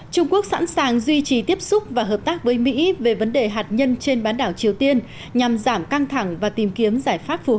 trung quốc sẵn sàng duy trì tiếp xúc và hợp tác với mỹ về vấn đề hạt nhân trên bán đảo triều tiên nhằm giảm căng thẳng và tìm kiếm giải pháp phù hợp